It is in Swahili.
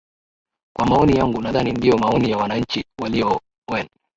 kwa maoni yangu nadhani ndiyo maoni ya wananchi walio wen